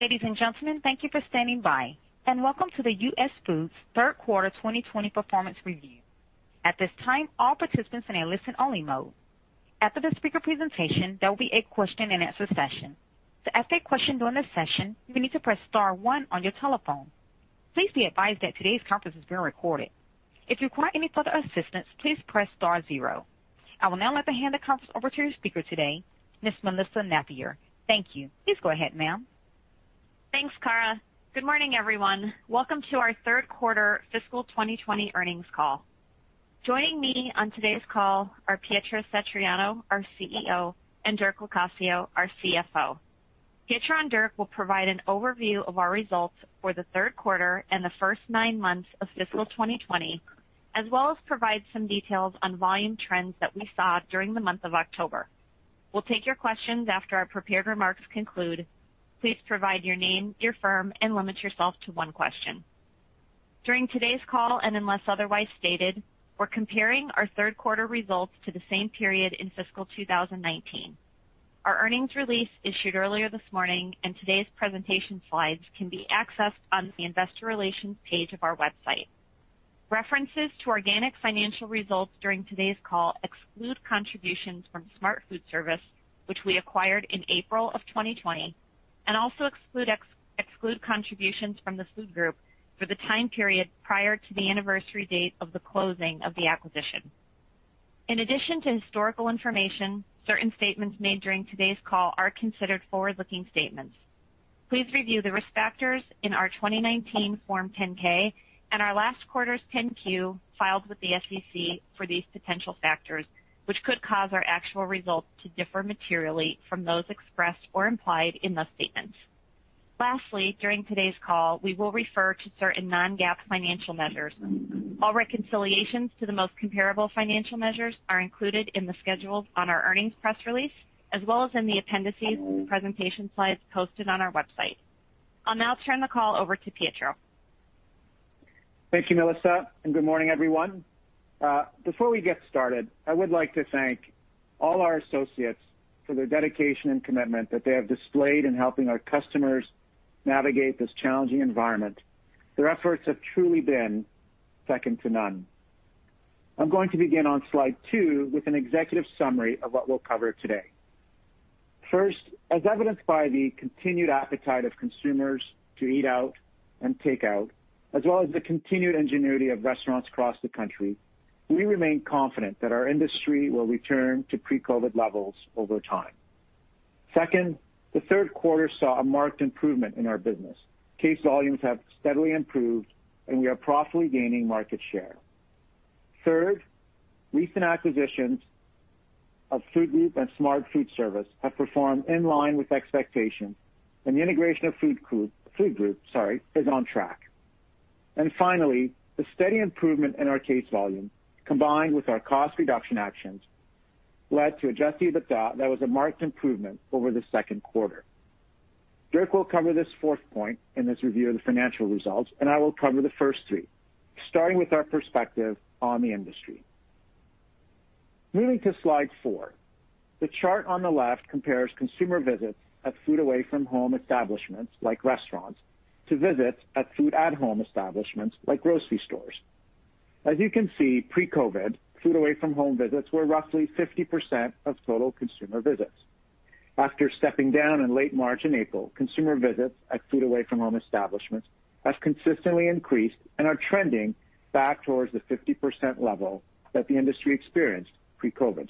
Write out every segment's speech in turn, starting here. Ladies and gentlemen, thank you for standing by, and welcome to the US Foods Third Quarter 2020 Performance Review. At this time, all participants are in a listen-only mode. After the speaker presentation, there will be a question-and-answer session. To ask a question during this session, you need to press star one on your telephone. Please be advised that today's conference is being recorded. If you require any further assistance, please press star zero. I will now like to hand the conference over to your speaker today, Ms. Melissa Napier. Thank you. Please go ahead, ma'am. Thanks, Cara. Good morning, everyone. Welcome to our third quarter fiscal 2020 earnings call. Joining me on today's call are Pietro Satriano, our CEO, and Dirk Locascio, our CFO. Pietro and Dirk will provide an overview of our results for the third quarter and the first nine months of fiscal 2020, as well as provide some details on volume trends that we saw during the month of October. We'll take your questions after our prepared remarks conclude. Please provide your name, your firm, and limit yourself to one question. During today's call, and unless otherwise stated, we're comparing our third quarter results to the same period in fiscal 2019. Our earnings release issued earlier this morning, and today's presentation slides can be accessed on the Investor Relations page of our website. References to organic financial results during today's call exclude contributions from Smart Foodservice, which we acquired in April of 2020, and also exclude contributions from the Food Group for the time period prior to the anniversary date of the closing of the acquisition. In addition to historical information, certain statements made during today's call are considered forward-looking statements. Please review the risk factors in our 2019 Form 10-K and our last quarter's 10-Q, filed with the SEC for these potential factors, which could cause our actual results to differ materially from those expressed or implied in the statements. Lastly, during today's call, we will refer to certain non-GAAP financial measures. All reconciliations to the most comparable financial measures are included in the schedules on our earnings press release, as well as in the appendices presentation slides posted on our website. I'll now turn the call over to Pietro. Thank you, Melissa, and good morning, everyone. Before we get started, I would like to thank all our associates for their dedication and commitment that they have displayed in helping our customers navigate this challenging environment. Their efforts have truly been second to none. I'm going to begin on slide two with an executive summary of what we'll cover today. First, as evidenced by the continued appetite of consumers to eat out and take out, as well as the continued ingenuity of restaurants across the country, we remain confident that our industry will return to pre-COVID levels over time. Second, the third quarter saw a marked improvement in our business. Case volumes have steadily improved, and we are profitably gaining market share. Third, recent acquisitions of Food Group and Smart Foodservice have performed in line with expectations, and the integration of Food Group, Food Group, sorry, is on track. Finally, the steady improvement in our case volume, combined with our cost reduction actions, led to Adjusted EBITDA that was a marked improvement over the second quarter. Dirk will cover this fourth point in this review of the financial results, and I will cover the first three, starting with our perspective on the industry. Moving to slide four, the chart on the left compares consumer visits at food away from home establishments, like restaurants, to visits at food at home establishments, like grocery stores. As you can see, pre-COVID, food away from home visits were roughly 50% of total consumer visits. After stepping down in late March and April, consumer visits at food away from home establishments have consistently increased and are trending back towards the 50% level that the industry experienced pre-COVID.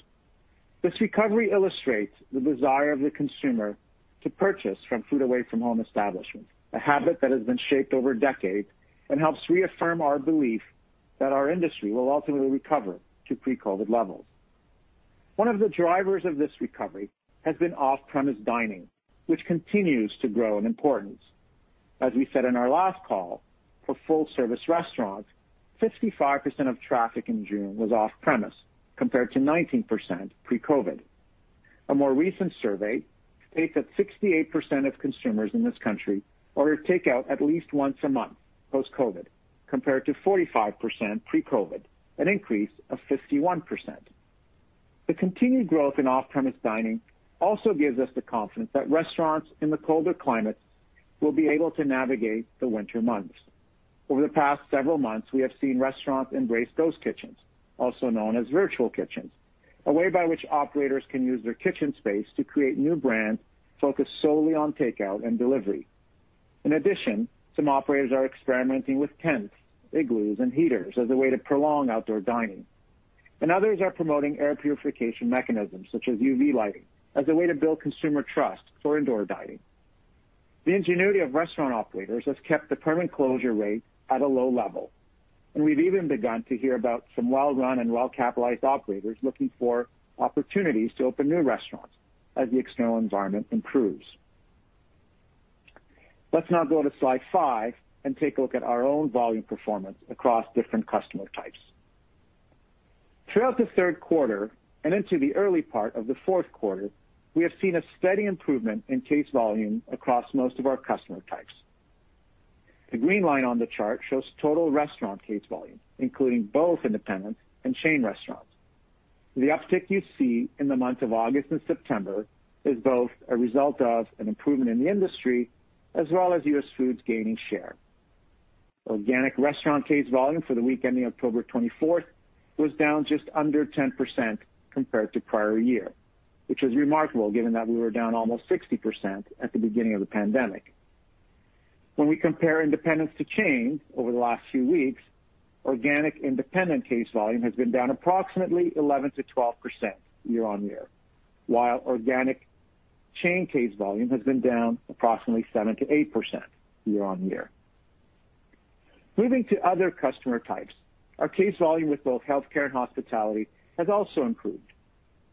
This recovery illustrates the desire of the consumer to purchase from food away from home establishments, a habit that has been shaped over decades and helps reaffirm our belief that our industry will ultimately recover to pre-COVID levels. One of the drivers of this recovery has been off-premise dining, which continues to grow in importance. As we said in our last call, for full-service restaurants, 55% of traffic in June was off-premise, compared to 19% pre-COVID. A more recent survey states that 68% of consumers in this country order takeout at least once a month post-COVID, compared to 45% pre-COVID, an increase of 51%. The continued growth in off-premise dining also gives us the confidence that restaurants in the colder climates will be able to navigate the winter months. Over the past several months, we have seen restaurants embrace ghost kitchens, also known as virtual kitchens, a way by which operators can use their kitchen space to create new brands focused solely on takeout and delivery. In addition, some operators are experimenting with tents, igloos, and heaters as a way to prolong outdoor dining. Others are promoting air purification mechanisms, such as UV lighting, as a way to build consumer trust for indoor dining. The ingenuity of restaurant operators has kept the permanent closure rate at a low level, and we've even begun to hear about some well-run and well-capitalized operators looking for opportunities to open new restaurants as the external environment improves. Let's now go to slide five and take a look at our own volume performance across different customer types. Throughout the third quarter and into the early part of the fourth quarter, we have seen a steady improvement in case volume across most of our customer types. The green line on the chart shows total restaurant case volume, including both independent and chain restaurants. The uptick you see in the months of August and September is both a result of an improvement in the industry as well as US Foods gaining share. Organic restaurant case volume for the week ending October 24th was down just under 10% compared to prior year, which is remarkable given that we were down almost 60% at the beginning of the pandemic. When we compare independents to chains over the last few weeks, organic independent case volume has been down approximately 11%-12% year-over-year, while organic chain case volume has been down approximately 7%-8% year-over-year. Moving to other customer types, our case volume with both healthcare and hospitality has also improved.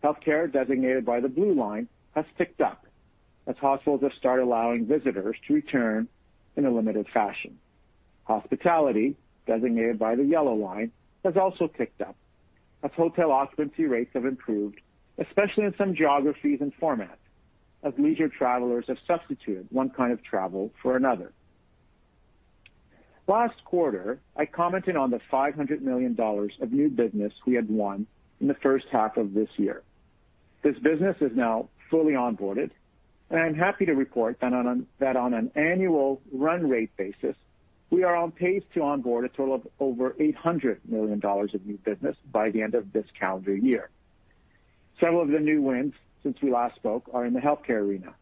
Healthcare, designated by the blue line, has ticked up as hospitals have started allowing visitors to return in a limited fashion. Hospitality, designated by the yellow line, has also ticked up as hotel occupancy rates have improved, especially in some geographies and formats, as leisure travelers have substituted one kind of travel for another. Last quarter, I commented on the $500 million of new business we had won in the first half of this year. This business is now fully onboarded. I'm happy to report that on an annual run rate basis, we are on pace to onboard a total of over $800 million of new business by the end of this calendar year. Some of the new wins since we last spoke are in the healthcare arena,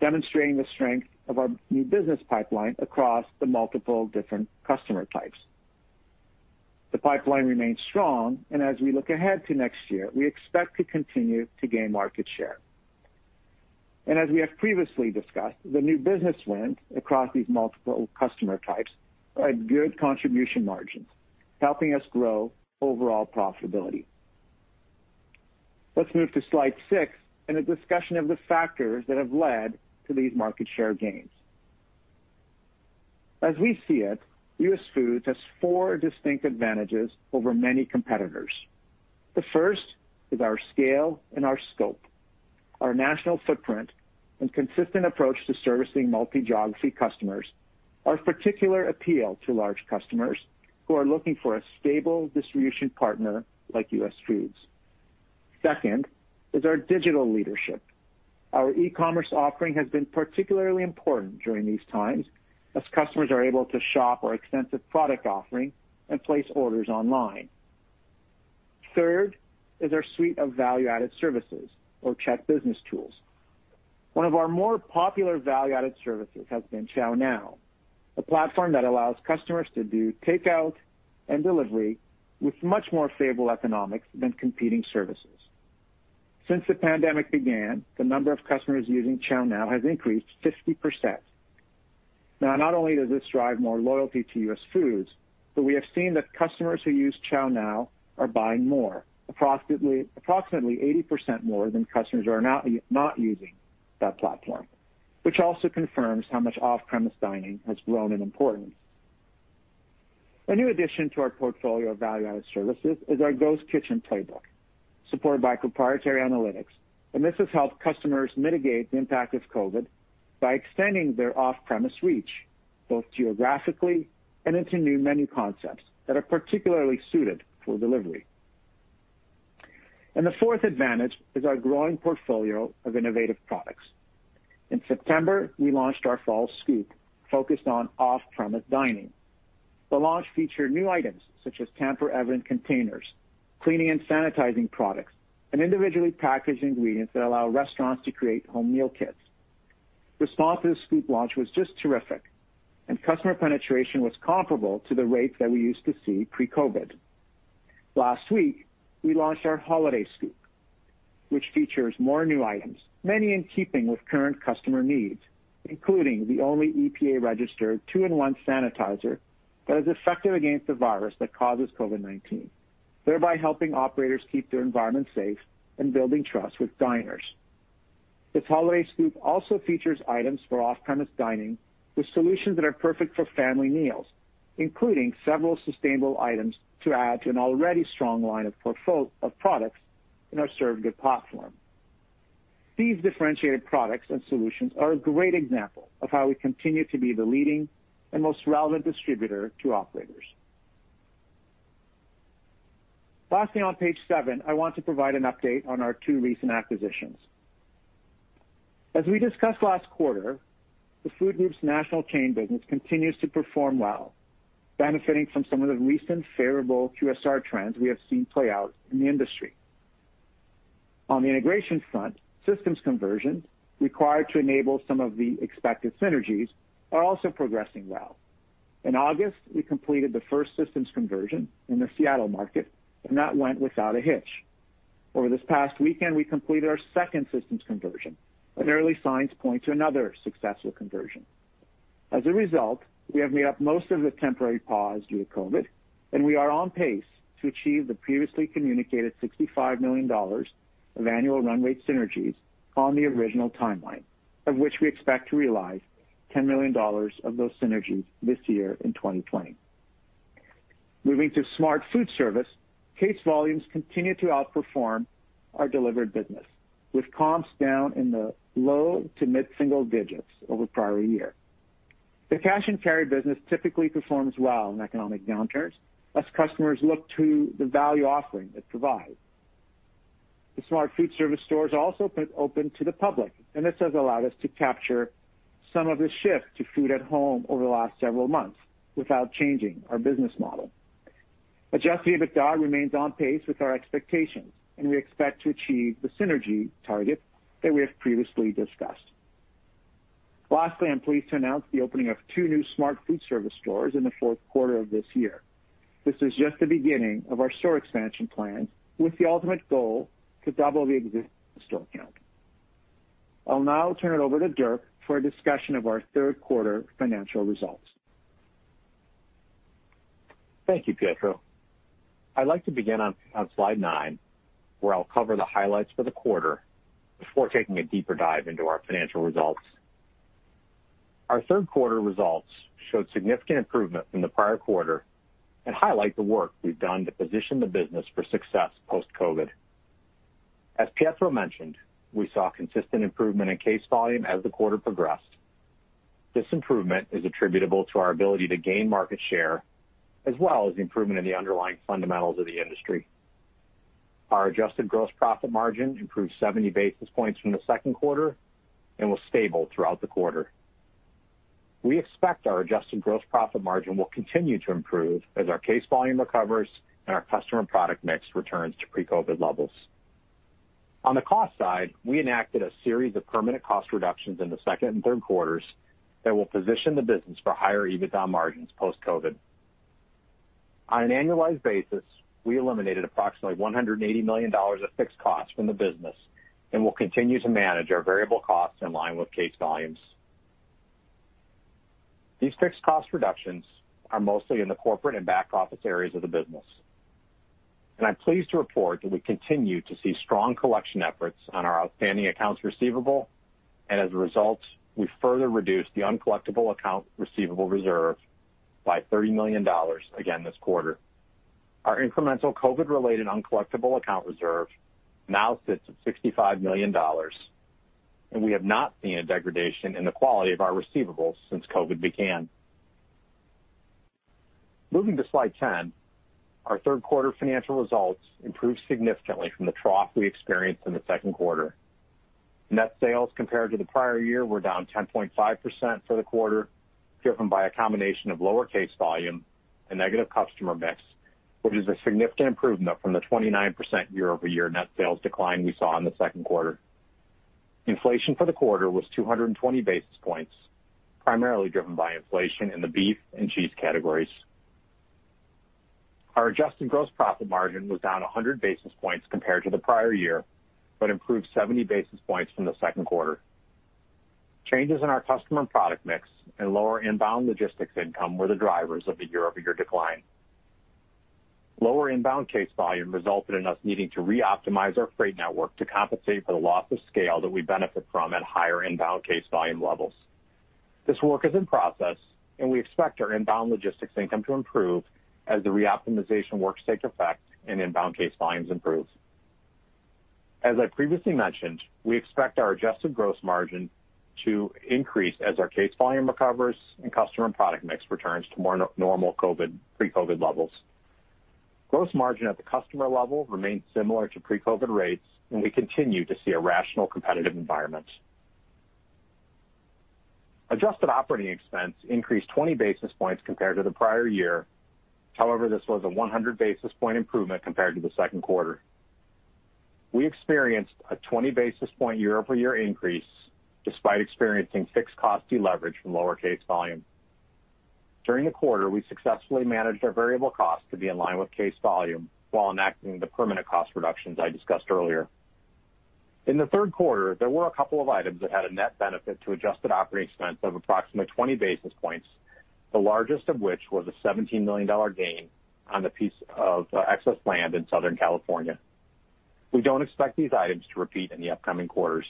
demonstrating the strength of our new business pipeline across the multiple different customer types. The pipeline remains strong. As we look ahead to next year, we expect to continue to gain market share. As we have previously discussed, the new business wins across these multiple customer types are at good contribution margins, helping us grow overall profitability. Let's move to slide six and a discussion of the factors that have led to these market share gains. As we see it, US Foods has four distinct advantages over many competitors. The first is our scale and our scope. Our national footprint and consistent approach to servicing multi-geography customers are a particular appeal to large customers who are looking for a stable distribution partner like US Foods. Second is our digital leadership. Our e-commerce offering has been particularly important during these times as customers are able to shop our extensive product offering and place orders online. Third is our suite of value-added services or CHECK Business Tools. One of our more popular value-added services has been ChowNow, a platform that allows customers to do takeout and delivery with much more favorable economics than competing services. Since the pandemic began, the number of customers using ChowNow has increased 50%. Not only does this drive more loyalty to US Foods, but we have seen that customers who use ChowNow are buying more, approximately 80% more than customers who are not using that platform, which also confirms how much off-premise dining has grown in importance. A new addition to our portfolio of value-added services is our Ghost Kitchens Playbook, supported by proprietary analytics, this has helped customers mitigate the impact of COVID by extending their off-premise reach, both geographically and into new menu concepts that are particularly suited for delivery. The fourth advantage is our growing portfolio of innovative products. In September, we launched our fall scoop focused on off-premise dining. The launch featured new items such as tamper-evident containers, cleaning and sanitizing products, and individually packaged ingredients that allow restaurants to create home meal kits. Response to the scoop launch was just terrific, and customer penetration was comparable to the rates that we used to see pre-COVID. Last week, we launched our holiday scoop, which features more new items, many in keeping with current customer needs, including the only EPA-registered two-in-one sanitizer that is effective against the virus that causes COVID-19, thereby helping operators keep their environment safe and building trust with diners. This holiday scoop also features items for off-premise dining with solutions that are perfect for family meals, including several sustainable items to add to an already strong line of products in our Serve Good platform. These differentiated products and solutions are a great example of how we continue to be the leading and most relevant distributor to operators. Lastly, on page seven, I want to provide an update on our two recent acquisitions. As we discussed last quarter, the Food Group's national chain business continues to perform well, benefiting from some of the recent favorable QSR trends we have seen play out in the industry. On the integration front, systems conversion required to enable some of the expected synergies are also progressing well. In August, we completed the first systems conversion in the Seattle market, and that went without a hitch. Over this past weekend, we completed our second systems conversion, and early signs point to another successful conversion. As a result, we have made up most of the temporary pause due to COVID, and we are on pace to achieve the previously communicated $65 million of annual run rate synergies on the original timeline, of which we expect to realize $10 million of those synergies this year in 2020. Moving to Smart Foodservice, case volumes continue to outperform our delivered business, with comps down in the low to mid-single digits over prior year. The cash and carry business typically performs well in economic downturns as customers look to the value offering it provides. The Smart Foodservice stores also put open to the public, and this has allowed us to capture some of the shift to food at home over the last several months without changing our business model. Adjusted EBITDA remains on pace with our expectations, and we expect to achieve the synergy target that we have previously discussed. Lastly, I'm pleased to announce the opening of two new Smart Foodservice stores in the fourth quarter of this year. This is just the beginning of our store expansion plans, with the ultimate goal to double the existing store count. I'll now turn it over to Dirk for a discussion of our third quarter financial results. Thank you, Pietro. I'd like to begin on slide nine, where I'll cover the highlights for the quarter before taking a deeper dive into our financial results. Our third quarter results showed significant improvement from the prior quarter. Highlight the work we've done to position the business for success post-COVID. As Pietro mentioned, we saw consistent improvement in case volume as the quarter progressed. This improvement is attributable to our ability to gain market share, as well as the improvement in the underlying fundamentals of the industry. Our adjusted gross profit margin improved 70 basis points from the second quarter and was stable throughout the quarter. We expect our adjusted gross profit margin will continue to improve as our case volume recovers and our customer and product mix returns to pre-COVID levels. On the cost side, we enacted a series of permanent cost reductions in the second and third quarters that will position the business for higher EBITDA margins post-COVID. On an annualized basis, we eliminated approximately $180 million of fixed costs from the business and will continue to manage our variable costs in line with case volumes. These fixed cost reductions are mostly in the corporate and back office areas of the business. I'm pleased to report that we continue to see strong collection efforts on our outstanding accounts receivable, and as a result, we further reduced the uncollectible account receivable reserve by $30 million again this quarter. Our incremental COVID-related uncollectible account reserve now sits at $65 million, and we have not seen a degradation in the quality of our receivables since COVID began. Moving to slide 10, our third quarter financial results improved significantly from the trough we experienced in the second quarter. Net sales compared to the prior year were down 10.5% for the quarter, driven by a combination of lower case volume and negative customer mix, which is a significant improvement from the 29% year-over-year net sales decline we saw in the second quarter. Inflation for the quarter was 220 basis points, primarily driven by inflation in the beef and cheese categories. Our adjusted gross profit margin was down 100 basis points compared to the prior year, but improved 70 basis points from the second quarter. Changes in our customer and product mix and lower inbound logistics income were the drivers of the year-over-year decline. Lower inbound case volume resulted in us needing to reoptimize our freight network to compensate for the loss of scale that we benefit from at higher inbound case volume levels. This work is in process, and we expect our inbound logistics income to improve as the reoptimization works take effect and inbound case volumes improve. As I previously mentioned, we expect our adjusted gross margin to increase as our case volume recovers and customer and product mix returns to more normal COVID, pre-COVID levels. Gross margin at the customer level remains similar to pre-COVID rates, and we continue to see a rational competitive environment. Adjusted operating expense increased 20 basis points compared to the prior year. This was a 100 basis point improvement compared to the second quarter. We experienced a 20 basis point year-over-year increase despite experiencing fixed cost deleverage from lower case volume. During the quarter, we successfully managed our variable cost to be in line with case volume while enacting the permanent cost reductions I discussed earlier. In the third quarter, there were a couple of items that had a net benefit to adjusted operating expense of approximately 20 basis points, the largest of which was a $17 million gain on the piece of excess land in Southern California. We don't expect these items to repeat in the upcoming quarters.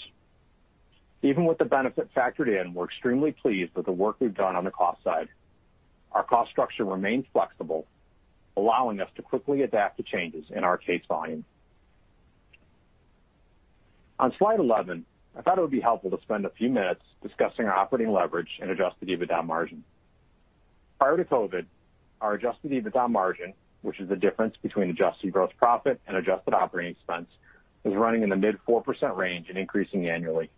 Even with the benefit factored in, we're extremely pleased with the work we've done on the cost side. Our cost structure remains flexible, allowing us to quickly adapt to changes in our case volume. On slide 11, I thought it would be helpful to spend a few minutes discussing our operating leverage and adjusted EBITDA margin. Prior to COVID, our Adjusted EBITDA margin, which is the difference between adjusted gross profit and adjusted operating expense, was running in the mid 4% range and increasing annually.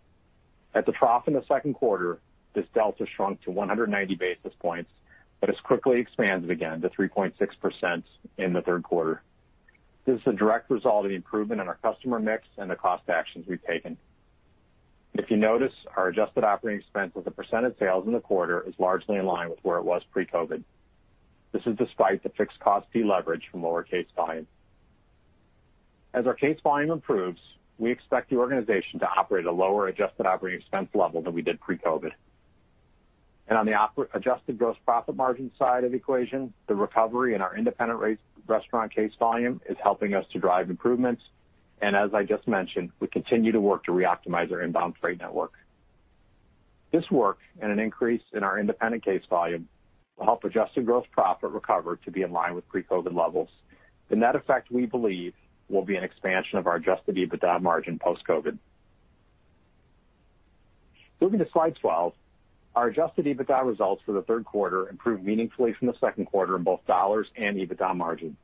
At the trough in the second quarter, this delta shrunk to 190 basis points, but it's quickly expanded again to 3.6% in the third quarter. This is a direct result of the improvement in our customer mix and the cost actions we've taken. If you notice, our adjusted operating expense as a % of sales in the quarter is largely in line with where it was pre-COVID. This is despite the fixed cost deleverage from lower case volume. As our case volume improves, we expect the organization to operate at a lower adjusted operating expense level than we did pre-COVID. On the adjusted gross profit margin side of the equation, the recovery in our independent restaurant case volume is helping us to drive improvements. As I just mentioned, we continue to work to reoptimize our inbound freight network. This work and an increase in our independent case volume will help adjusted gross profit recover to be in line with pre-COVID levels. That effect, we believe, will be an expansion of our adjusted EBITDA margin post-COVID. Moving to Slide 12, our Adjusted EBITDA results for the third quarter improved meaningfully from the second quarter in both dollars and EBITDA margin.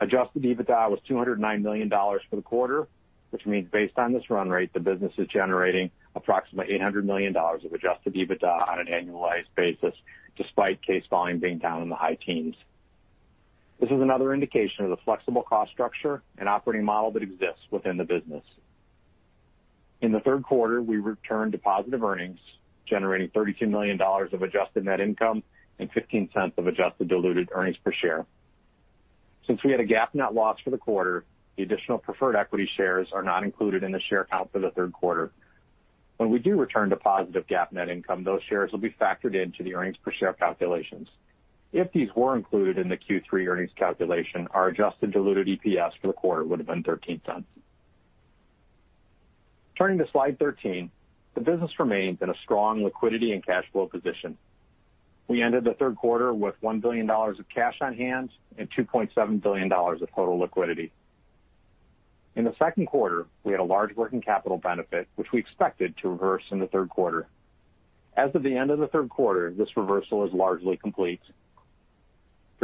Adjusted EBITDA was $209 million for the quarter, which means, based on this run rate, the business is generating approximately $800 million of adjusted EBITDA on an annualized basis, despite case volume being down in the high teens. This is another indication of the flexible cost structure and operating model that exists within the business. In the third quarter, we returned to positive earnings, generating $32 million of adjusted net income and $0.15 of adjusted diluted earnings per share. Since we had a GAAP net loss for the quarter, the additional preferred equity shares are not included in the share count for the third quarter. When we do return to positive GAAP net income, those shares will be factored into the earnings per share calculations. If these were included in the Q3 earnings calculation, our adjusted diluted EPS for the quarter would have been $0.13. Turning to Slide 13, the business remains in a strong liquidity and cash flow position. We ended the third quarter with $1 billion of cash on hand and $2.7 billion of total liquidity. In the second quarter, we had a large working capital benefit, which we expected to reverse in the third quarter. As of the end of the third quarter, this reversal is largely complete.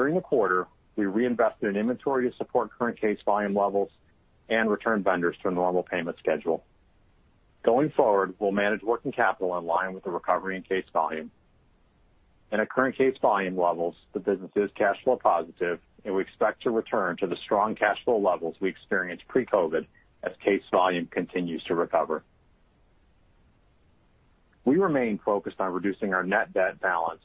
During the quarter, we reinvested in inventory to support current case volume levels and return vendors to a normal payment schedule. Going forward, we'll manage working capital in line with the recovery in case volume. At current case volume levels, the business is cash flow positive, and we expect to return to the strong cash flow levels we experienced pre-COVID as case volume continues to recover. We remain focused on reducing our net debt balance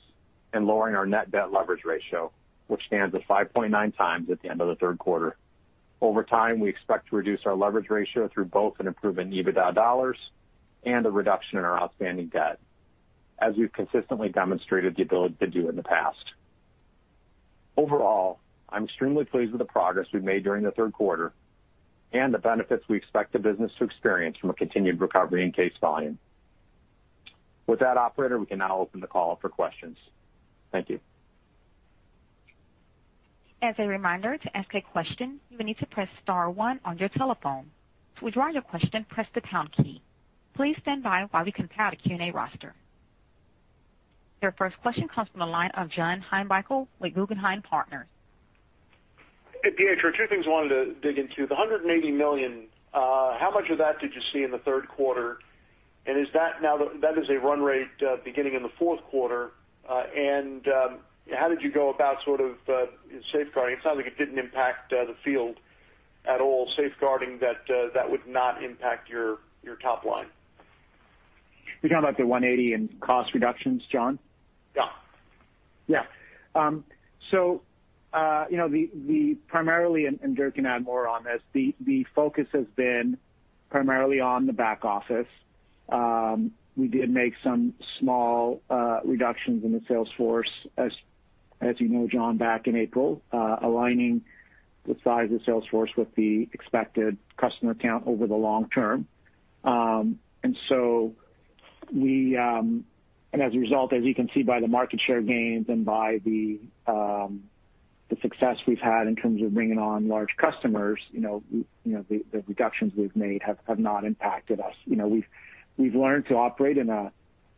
and lowering our net debt leverage ratio, which stands at 5.9 times at the end of the third quarter. Over time, we expect to reduce our leverage ratio through both an improvement in EBITDA dollars and a reduction in our outstanding debt, as we've consistently demonstrated the ability to do in the past. Overall, I'm extremely pleased with the progress we've made during the third quarter and the benefits we expect the business to experience from a continued recovery in case volume. With that, operator, we can now open the call up for questions. Thank you. As a reminder, to ask a question, you will need to press star one on your telephone. To withdraw your question, press the pound key. Please stand by while we compile a Q&A roster. Your first question comes from the line of John Heinbockel with Guggenheim Partners. Hey, Pietro, two things I wanted to dig into. The $180 million, how much of that did you see in the third quarter? That is a run rate, beginning in the fourth quarter? How did you go about sort of safeguarding? It sounds like it didn't impact the field at all, safeguarding that that would not impact your your top line. You're talking about the $180 in cost reductions, John? Yeah. Yeah. You know, the, the primarily, and, and Dirk can add more on this, the, the focus has been primarily on the back office. We did make some small reductions in the sales force, as, as you know, John, back in April, aligning the size of the sales force with the expected customer count over the long term. So we... As a result, as you can see by the market share gains and by the, the success we've had in terms of bringing on large customers, you know, you know, the, the reductions we've made have, have not impacted us. You know, we've, we've learned to operate in a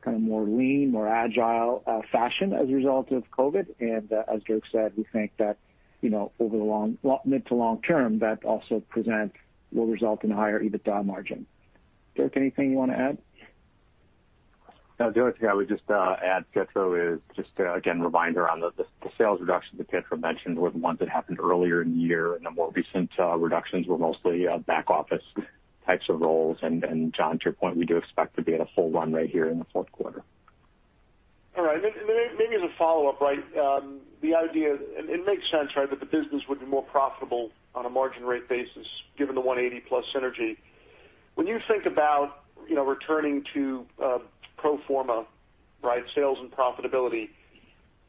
kind of more lean, more agile, fashion as a result of COVID. As Dirk said, we think that, you know, over the long, well, mid to long term, that also present will result in a higher EBITDA margin. Dirk, anything you want to add? No, the only thing I would just add, Pietro, is just to, again, remind around the, the sales reductions that Pietro mentioned were the ones that happened earlier in the year, and the more recent reductions were mostly back office types of roles. John, to your point, we do expect to be at a full run rate here in the fourth quarter. All right. Maybe as a follow-up, right, the idea, and it makes sense, right, that the business would be more profitable on a margin rate basis, given the 180+ synergy. When you think about, you know, returning to pro forma, right, sales and profitability,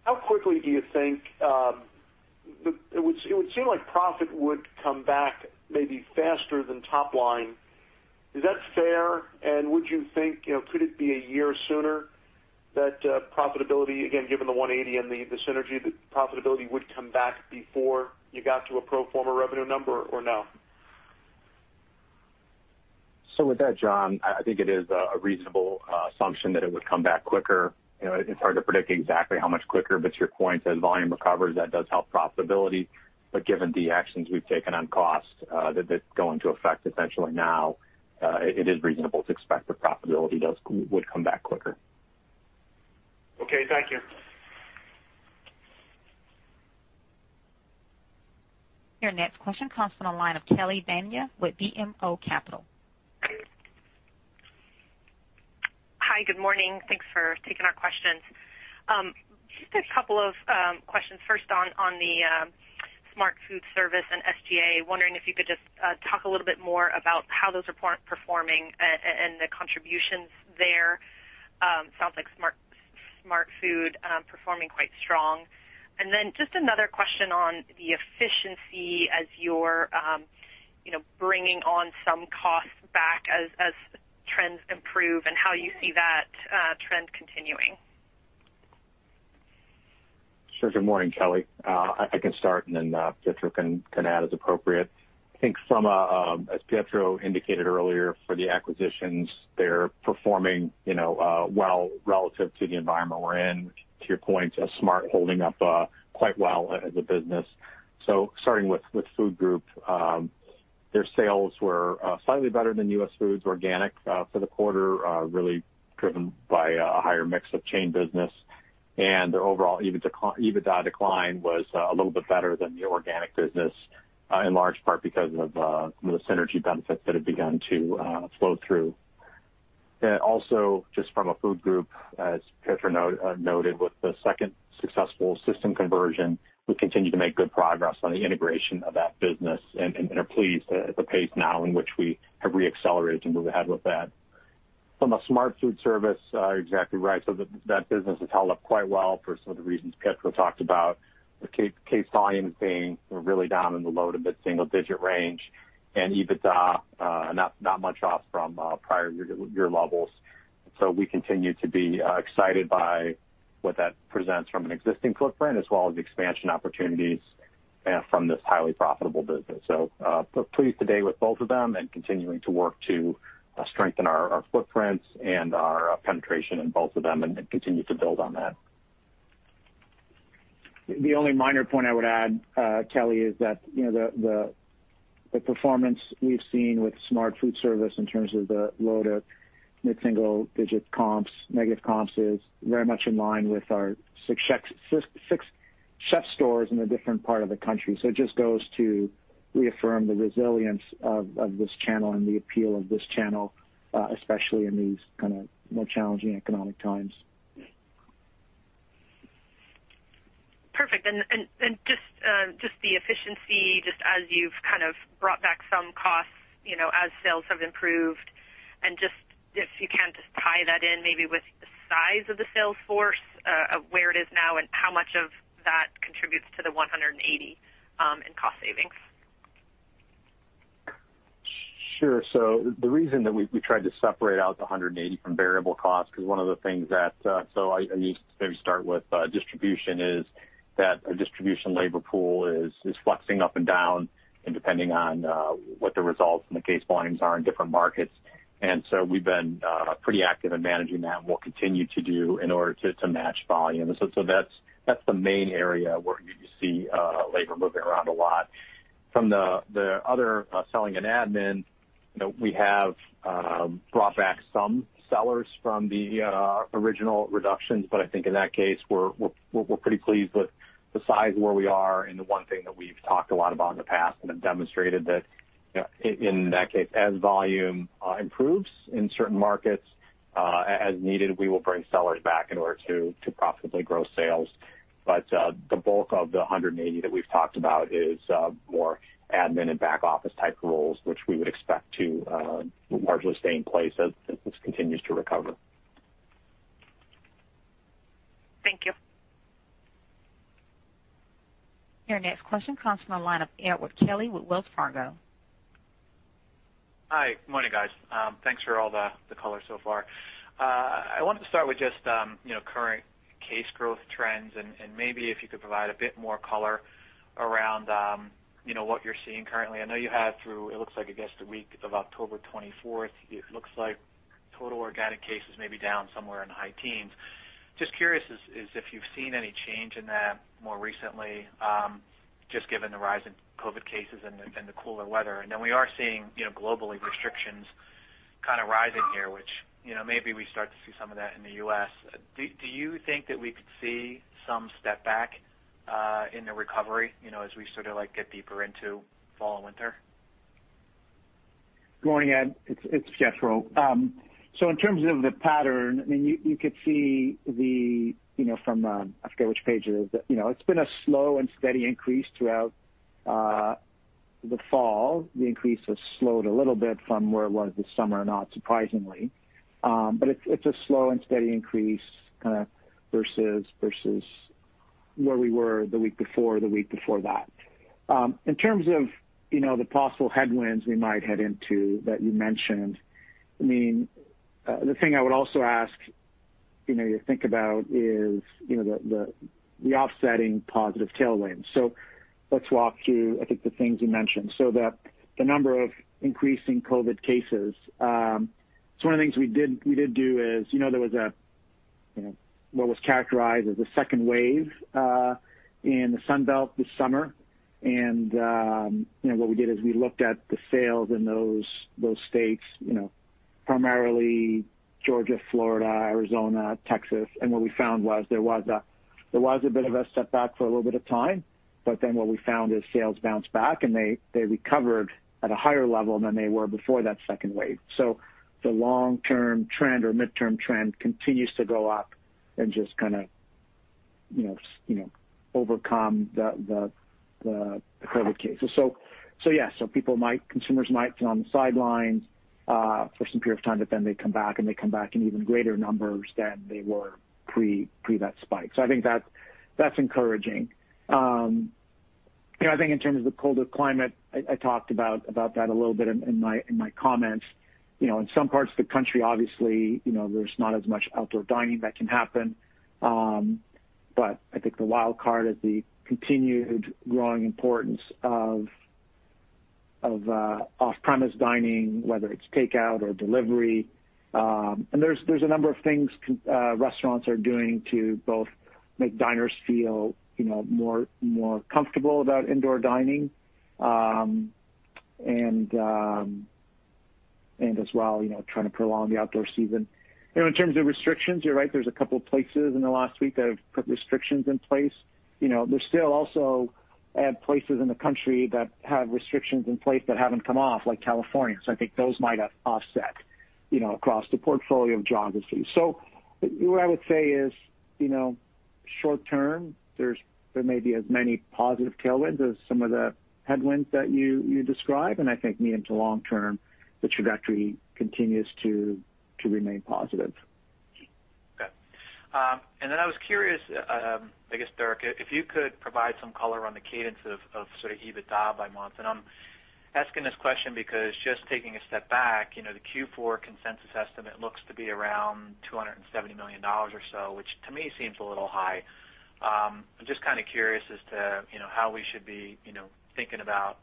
how quickly do you think it would seem like profit would come back maybe faster than top line. Is that fair? Would you think, you know, could it be one year sooner that profitability, again, given the 180 and the synergy, the profitability would come back before you got to a pro forma revenue number or no? With that, John, I think it is a reasonable assumption that it would come back quicker. You know, it's hard to predict exactly how much quicker, your point, as volume recovers, that does help profitability. Given the actions we've taken on cost that go into effect essentially now, it is reasonable to expect the profitability does, would come back quicker. Okay. Thank you. Your next question comes from the line of Kelly Bania with BMO Capital. Hi, good morning. Thanks for taking our questions. Just a couple of questions. First, on the Smart Foodservice and SGA. Wondering if you could just talk a little bit more about how those are performing and the contributions there. Sounds like Smart Foodservice performing quite strong. Then just another question on the efficiency as you're, you know, bringing on some costs back as trends improve and how you see that trend continuing. Sure. Good morning, Kelly. I, I can start, and then Pietro can, can add as appropriate. I think from a, as Pietro indicated earlier, for the acquisitions, they're performing, you know, well relative to the environment we're in, to your point, Smart holding up, quite well as a business. So starting with, with Food Group, their sales were, slightly better than US Foods organic, for the quarter, really driven by a higher mix of chain business. And their overall EBITDA decline was, a little bit better than the organic business, in large part because of, the synergy benefits that have begun to, flow through. Also just from a food group, as Pietro note, noted, with the second successful system conversion, we continue to make good progress on the integration of that business and, and are pleased at the pace now in which we have reaccelerated to move ahead with that. From a Smart Foodservice, exactly right. That business has held up quite well for some of the reasons Pietro talked about. The case, case volume is being really down in the low to mid-single digit range, and EBITDA, not much off from prior year, year levels. We continue to be excited by what that presents from an existing footprint, as well as expansion opportunities from this highly profitable business. Pleased today with both of them and continuing to work to strengthen our, our footprints and our penetration in both of them and, and continue to build on that. The only minor point I would add, Kelly, is that, you know, the, the, the performance we've seen with Smart Foodservice Warehouse Stores in terms of the low to mid-single-digit comps, negative comps, is very much in line with our six CHEF'STORE in a different part of the country. It just goes to reaffirm the resilience of, of this channel and the appeal of this channel, especially in these kind of more challenging economic times. Perfect. And, and just, just the efficiency, just as you've kind of brought back some costs, you know, as sales have improved, and just if you can, just tie that in maybe with the size of the sales force, of where it is now and how much of that contributes to the $180 in cost savings? Sure. The reason that we, we tried to separate out the 180 from variable costs, because one of the things that, I, I need to maybe start with, distribution, is that a distribution labor pool is, is flexing up and down and depending on, what the results and the case volumes are in different markets. We've been pretty active in managing that and we'll continue to do in order to, to match volume. That's, that's the main area where you see labor moving around a lot. From the, the other, selling and admin, you know, we have brought back some sellers from the original reductions. I think in that case, we're, we're, we're pretty pleased with the size where we are. The one thing that we've talked a lot about in the past and have demonstrated that, you know, in that case, as volume improves in certain markets, as needed, we will bring sellers back in order to, to profitably grow sales. The bulk of the 180 that we've talked about is more admin and back office type roles, which we would expect to largely stay in place as, as this continues to recover. Thank you. Your next question comes from the line of Edward Kelly with Wells Fargo. Hi. Good morning, guys. Thanks for all the, the color so far. I wanted to start with just, you know, current case growth trends and, and maybe if you could provide a bit more color around, you know, what you're seeing currently? I know you had through, it looks like, I guess, the week of October 24th. It looks like total organic cases may be down somewhere in the high teens. Just curious is, is if you've seen any change in that more recently, just given the rise in COVID cases and the, and the cooler weather? We are seeing, you know, globally, restrictions kind of rising here, which, you know, maybe we start to see some of that in the U.S. Do, do you think that we could see some step back in the recovery, you know, as we sort of, like, get deeper into fall and winter? Good morning, Ed. It's, it's Pietro. So in terms of the pattern, I mean, you, you could see the, you know, from, I forget which page it is, you know, it's been a slow and steady increase throughout the fall. The increase has slowed a little bit from where it was this summer, not surprisingly. But it's, it's a slow and steady increase, kinda, versus, versus where we were the week before, the week before that. In terms of, you know, the possible headwinds we might head into that you mentioned, I mean, the thing I would also ask, you know, you think about is, you know, the, the, the offsetting positive tailwinds. Let's walk through, I think, the things you mentioned. The, the number of increasing COVID cases. One of the things we did, we did do is, you know, there was a, you know, what was characterized as a second wave in the Sun Belt this summer. What we did is we looked at the sales in those, those states, you know, primarily Georgia, Florida, Arizona, Texas. What we found was there was a, there was a bit of a setback for a little bit of time, but then what we found is sales bounced back, and they, they recovered at a higher level than they were before that second wave. The long-term trend or midterm trend continues to go up and just you know, you know, overcome the, the, the COVID cases. So yeah, so people might, consumers might be on the sidelines, for some period of time, but then they come back, and they come back in even greater numbers than they were pre, pre that spike. I think that's, that's encouraging. You know, I think in terms of the colder climate, I, I talked about, about that a little bit in, in my, in my comments. You know, in some parts of the country, obviously, you know, there's not as much outdoor dining that can happen. I think the wild card is the continued growing importance of, of, off-premise dining, whether it's takeout or delivery. There's, there's a number of things con- restaurants are doing to both make diners feel, you know, more, more comfortable about indoor dining, and as well, you know, trying to prolong the outdoor season. You know, in terms of restrictions, you're right, there's a couple places in the last week that have put restrictions in place. You know, there's still also places in the country that have restrictions in place that haven't come off, like California. I think those might offset, you know, across the portfolio of geography. What I would say is, you know, short term, there may be as many positive tailwinds as some of the headwinds that you, you describe, and I think medium to long term, the trajectory continues to, to remain positive. Okay. I was curious, I guess, Dirk, if you could provide some color on the cadence of sort of EBITDA by month, and I'm asking this question because just taking a step back, you know, the Q4 consensus estimate looks to be around $270 million or so, which to me seems a little high. I'm just kind of curious as to, you know, how we should be, you know, thinking about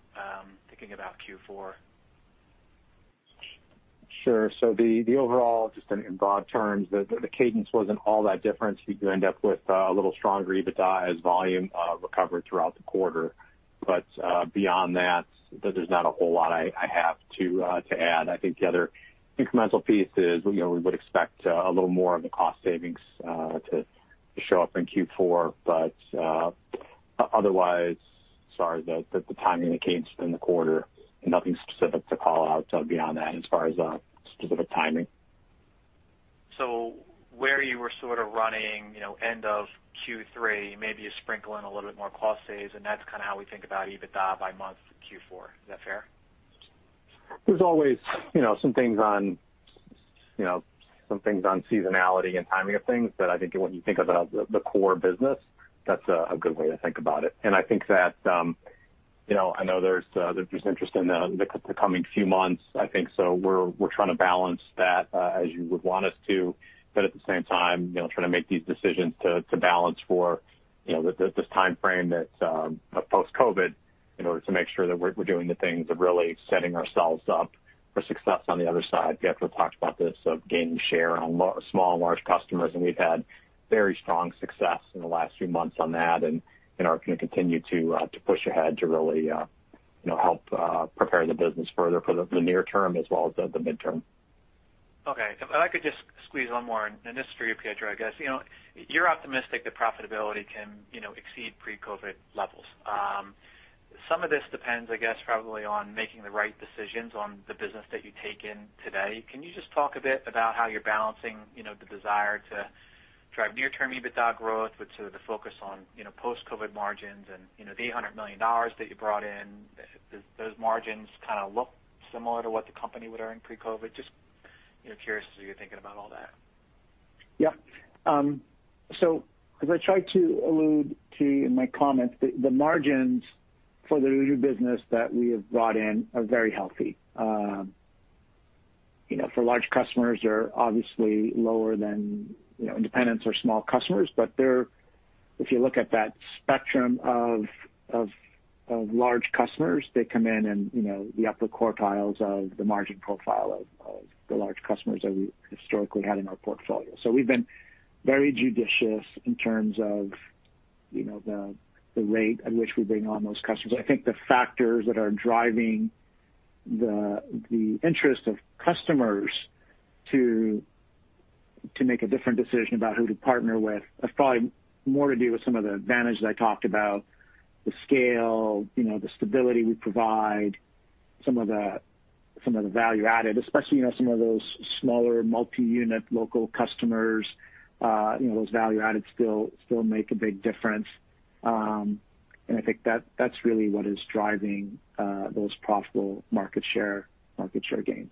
thinking about Q4. Sure. So the, the overall, just in, in broad terms, the, the cadence wasn't all that different. You end up with a little stronger EBITDA as volume recovered throughout the quarter. Beyond that, there's not a whole lot I, I have to add. I think the other incremental piece is, you know, we would expect a little more of the cost savings to show up in Q4, but otherwise, sorry, the, the, the timing and cadence within the quarter, nothing specific to call out beyond that, as far as specific timing. Where you were sort of running, you know, end of Q3, maybe you sprinkle in a little bit more cost saves, and that's kind of how we think about EBITDA by month Q4. Is that fair? There's always, you know, some things on, you know, some things on seasonality and timing of things that I think when you think about the, the core business, that's a, a good way to think about it. I think that, you know, I know there's, there's interest in the, the coming few months. We're, we're trying to balance that, as you would want us to, but at the same time, you know, trying to make these decisions to, to balance for, you know, the, the, this time frame that, of post-COVID, in order to make sure that we're, we're doing the things of really setting ourselves up for success on the other side. Pietro talked about this, of gaining share on small and large customers, and we've had very strong success in the last few months on that and, you know, are gonna continue to push ahead, to really, you know, help prepare the business further for the near term as well as the midterm. Okay. If I could just squeeze one more, and this is for you, Pietro, I guess. You know, you're optimistic that profitability can, you know, exceed pre-COVID levels. Some of this depends, I guess, probably on making the right decisions on the business that you take in today. Can you just talk a bit about how you're balancing, you know, the desire to drive near-term EBITDA growth with sort of the focus on, you know, post-COVID margins and, you know, the $800 million that you brought in, those margins kind of look similar to what the company would earn pre-COVID? Just, you know, curious as to how you're thinking about all that. Yeah. As I tried to allude to in my comments, the, the margins for the new business that we have brought in are very healthy. You know, for large customers, they're obviously lower than, you know, independents or small customers, but they're. If you look at that spectrum of, of, of large customers, they come in in, you know, the upper quartiles of the margin profile of, of the large customers that we historically had in our portfolio. We've been very judicious in terms of, you know, the, the rate at which we bring on those customers. I think the factors that are driving the, the interest of customers to, to make a different decision about who to partner with, has probably more to do with some of the advantages I talked about, the scale, you know, the stability we provide, some of the, some of the value added, especially, you know, some of those smaller multi-unit local customers, you know, those value adds still, still make a big difference. I think that, that's really what is driving, those profitable market share, market share gains.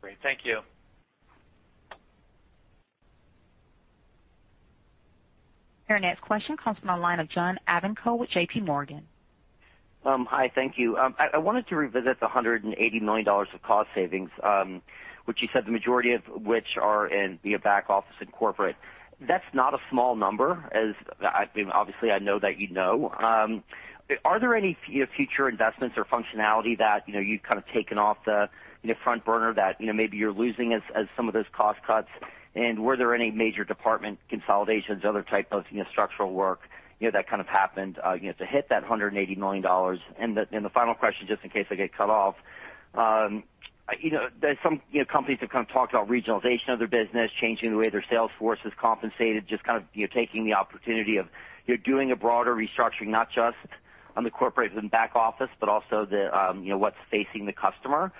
Great. Thank you. Your next question comes from the line of John Ivankoe with JP Morgan. Hi, thank you. I, I wanted to revisit the $180 million of cost savings, which you said the majority of which are in the back office and corporate. That's not a small number, as I, I mean, obviously, I know that you know. Are there any, you know, future investments or functionality that, you know, you've kind of taken off the, the front burner that, you know, maybe you're losing as, as some of those cost cuts? Were there any major department consolidations, other type of, you know, structural work, you know, that kind of happened, you know, to hit that $180 million? The, and the final question, just in case I get cut off, you know, there's some, you know, companies have kind of talked about regionalization of their business, changing the way their sales force is compensated, just kind of, you know, taking the opportunity of, you know, doing a broader restructuring, not just on the corporate and back office, but also the, you know, what's facing the customer.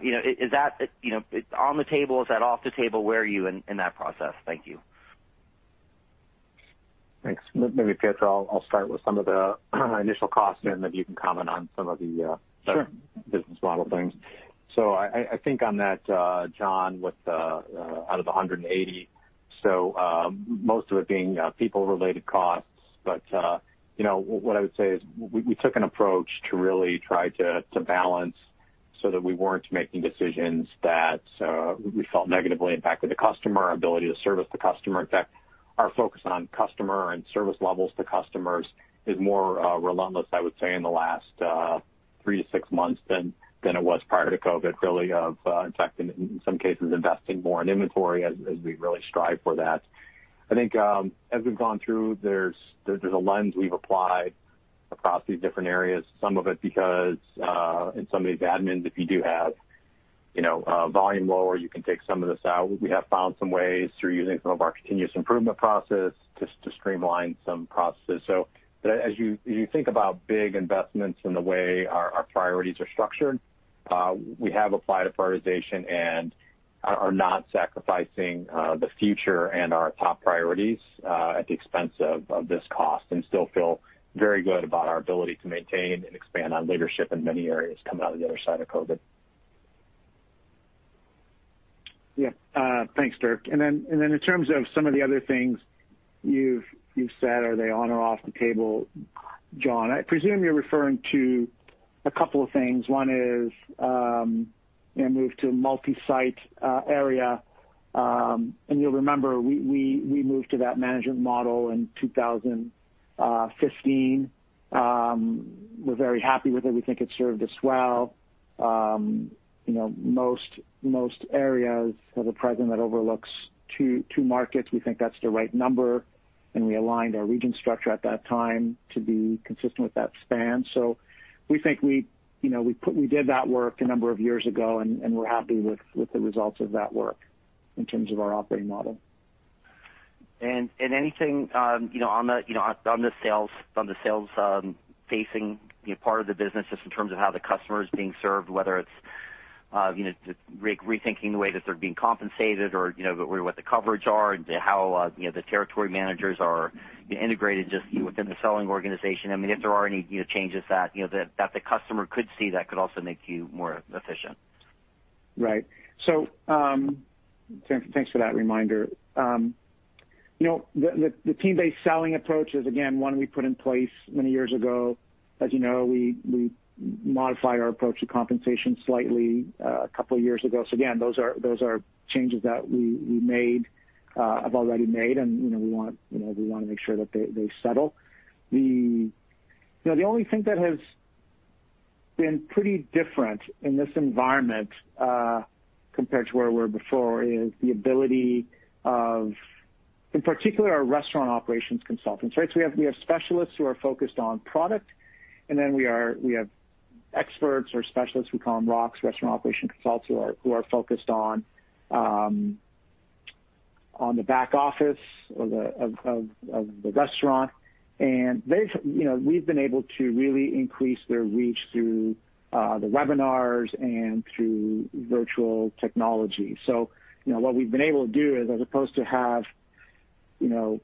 You know, is that, you know, on the table, is that off the table? Where are you in, in that process? Thank you. Thanks. Maybe, Pietro, I'll, I'll start with some of the initial costs, and then you can comment on some of the. Sure. Business model things. I, I think on that, John, with out of the 180, so most of it being people-related costs. You know, what I would say is we took an approach to really try to balance so that we weren't making decisions that we felt negatively impacted the customer, our ability to service the customer. In fact, our focus on customer and service levels to customers is more relentless, I would say, in the last three to six months than it was prior to COVID, really, of... In fact, in some cases, investing more in inventory as we really strive for that. I think, as we've gone through, there's, there's a lens we've applied across these different areas, some of it because, in some of these admins, if you do have, you know, volume lower, you can take some of this out. We have found some ways through using some of our continuous improvement process to, to streamline some processes. So as you, you think about big investments in the way our, our priorities are structured, we have applied a prioritization and are, are not sacrificing, the future and our top priorities, at the expense of, of this cost, and still feel very good about our ability to maintain and expand our leadership in many areas coming out of the other side of COVID. Yeah, thanks, Dirk. Then, and then in terms of some of the other things you've, you've said, are they on or off the table, John? I presume you're referring to a couple of things. One is, you know, move to a multi-site area. You'll remember, we, we, we moved to that management model in 2015. We're very happy with it. We think it served us well. You know, most, most areas have a president that overlooks two markets. We think that's the right number, we aligned our region structure at that time to be consistent with that span. We think we, you know, we put- we did that work a number of years ago, and we're happy with, with the results of that work in terms of our operating model. Anything, you know, on the, you know, on the sales, on the sales, facing, you know, part of the business, just in terms of how the customer is being served, whether it's, you know, re-rethinking the way that they're being compensated or, you know, what the coverage are and how, you know, the territory managers are integrated just within the selling organization. I mean, if there are any, you know, changes that, you know, that, that the customer could see, that could also make you more efficient. Right. Thanks, thanks for that reminder. You know, the, the, the team-based selling approach is, again, one we put in place many years ago. As you know, we, we modified our approach to compensation slightly, a couple of years ago. Again, those are, those are changes that we, we made, have already made. You know, we want, you know, we want to make sure that they, they settle. The. You know, the only thing that has been pretty different in this environment, compared to where we were before is the ability of, in particular, our restaurant operations consultants, right? We have specialists who are focused on product, and then we have experts or specialists, we call them ROCs, restaurant operations consultants, who are focused on the back office of the restaurant. They've, you know, we've been able to really increase their reach through the webinars and through virtual technology. You know, what we've been able to do is, as opposed to have, you know,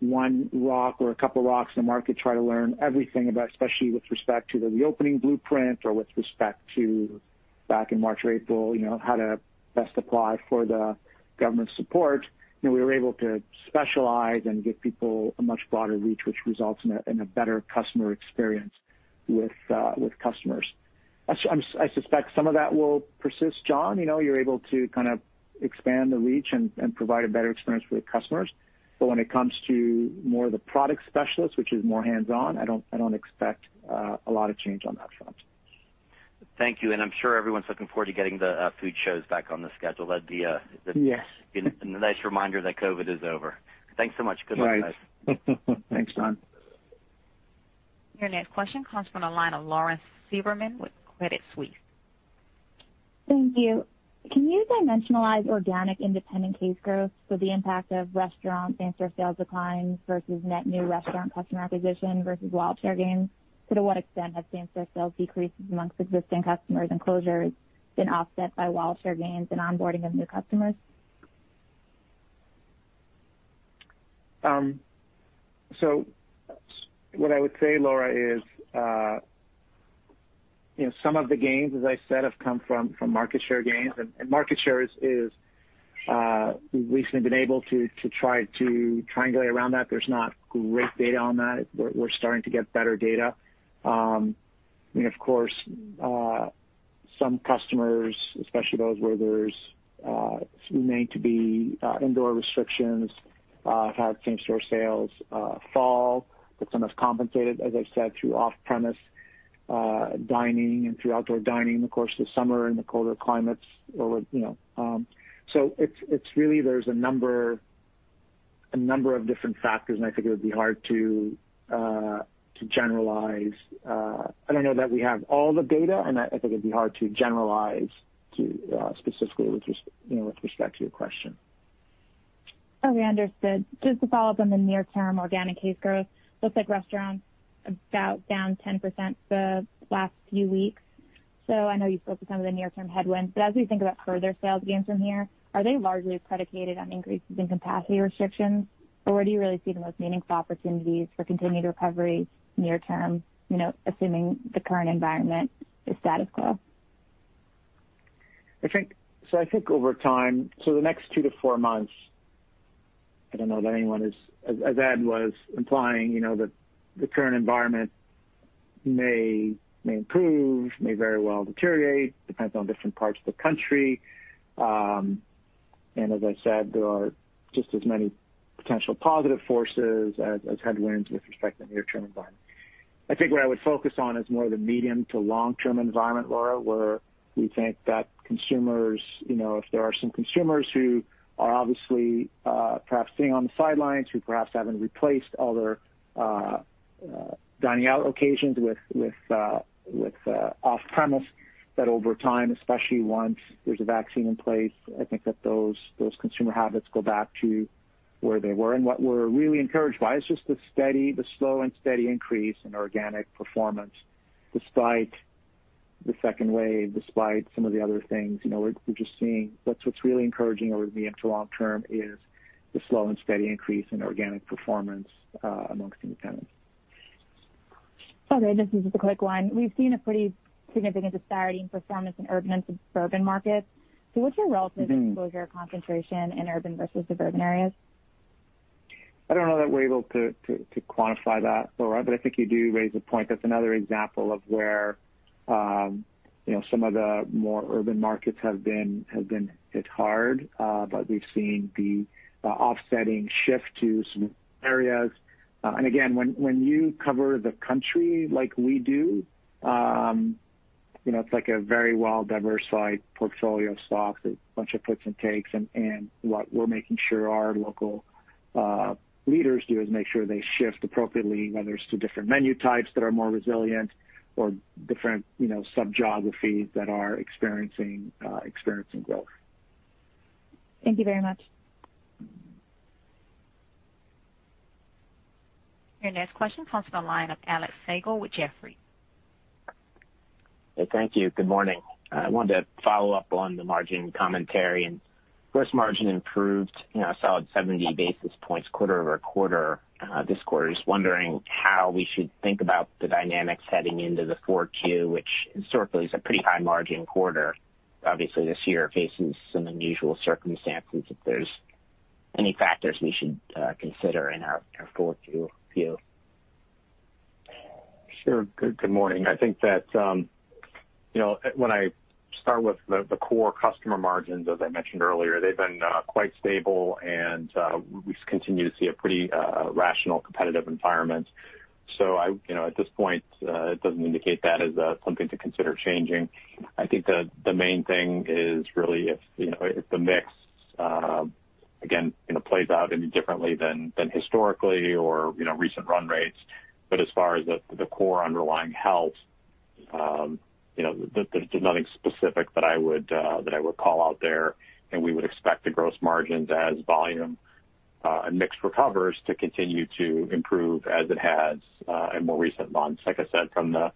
one ROC or a couple of ROCs in the market, try to learn everything about, especially with respect to the reopening blueprint or with respect to back in March or April, you know, how to best apply for the government support. You know, we were able to specialize and give people a much broader reach, which results in a, in a better customer experience with customers. I, I suspect some of that will persist, John. You know, you're able to kind of expand the reach and, and provide a better experience for the customers. When it comes to more of the product specialists, which is more hands-on, I don't, I don't expect a lot of change on that front. Thank you, and I'm sure everyone's looking forward to getting the food shows back on the schedule. That'd be. Yes. A nice reminder that COVID is over. Thanks so much. Right. Good luck, guys. Thanks, John. Your next question comes from the line of Lauren Lieberman with Credit Suisse. Thank you. Can you dimensionalize organic independent case growth for the impact of restaurant same-store sales declines versus net new restaurant customer acquisition versus wallet share gains? To what extent have same-store sales decreases amongst existing customers and closures been offset by wallet share gains and onboarding of new customers? What I would say, Lauren, is, you know, some of the gains, as I said, have come from, from market share gains. Market share is, we've recently been able to, to try to triangulate around that. There's not great data on that. We're, we're starting to get better data. I mean, of course, some customers, especially those where there's, remain to be, indoor restrictions, have had same-store sales, fall, but some have compensated, as I said, through off-premise, dining and through outdoor dining, of course, this summer in the colder climates or, you know. It's, it's really there's a number, a number of different factors, and I think it would be hard to, to generalize. I don't know that we have all the data, and I, I think it'd be hard to generalize to, specifically with res- you know, with respect to your question. Okay, understood. Just to follow up on the near term organic case growth, looks like restaurants about down 10% the last few weeks. I know you spoke to some of the near term headwinds, but as we think about further sales gains from here, are they largely predicated on increases in capacity restrictions? Where do you really see the most meaningful opportunities for continued recovery near term, you know, assuming the current environment is status quo? I think, so I think over time, so the next two to four months, I don't know that anyone is, as Ed was implying, you know, that the current environment may, may improve, may very well deteriorate, depends on different parts of the country. As I said, there are just as many potential positive forces as, as headwinds with respect to the near term environment. I think what I would focus on is more the medium to long term environment, Lauren, where we think that consumers, you know, if there are some consumers who are obviously, perhaps sitting on the sidelines, who perhaps haven't replaced all their, dining out occasions with, with, with, off premise, that over time, especially once there's a vaccine in place, I think that those, those consumer habits go back to where they were. What we're really encouraged by is just the steady, the slow and steady increase in organic performance despite the second wave, despite some of the other things. You know, we're, we're just seeing what's, what's really encouraging over the medium to long term is the slow and steady increase in organic performance amongst independents. Okay, this is just a quick one. We've seen a pretty significant disparity in performance in urban and suburban markets. What's your relative exposure concentration in urban versus suburban areas? I don't know that we're able to, to, to quantify that, Lauren, but I think you do raise a point. That's another example of where, you know, some of the more urban markets have been, have been hit hard. We've seen the offsetting shift to some areas. Again, when, when you cover the country like we do, you know, it's like a very well diversified portfolio of stocks, a bunch of puts and takes. What we're making sure our local leaders do is make sure they shift appropriately, whether it's to different menu types that are more resilient or different, you know, sub geographies that are experiencing experiencing growth. Thank you very much. Your next question comes from the line of Alexander Slagle with Jefferies. Hey, thank you. Good morning. I wanted to follow up on the margin commentary and gross margin improved, you know, a solid 70 basis points quarter-over-quarter, this quarter. Just wondering how we should think about the dynamics heading into the 4Q, which historically is a pretty high margin quarter. Obviously, this year faces some unusual circumstances, if there's any factors we should consider in our 4Q view. Sure. Good, good morning. I think that, you know, when I start with the, the core customer margins, as I mentioned earlier, they've been quite stable and we continue to see a pretty rational, competitive environment. I, you know, at this point, it doesn't indicate that as something to consider changing. I think the, the main thing is really if, you know, if the mix, again, you know, plays out any differently than, than historically or, you know, recent run rates. As far as the, the core underlying health, you know, there, there's nothing specific that I would that I would call out there. We would expect the gross margins as volume and mix recovers, to continue to improve as it has in more recent months. Like I said, from the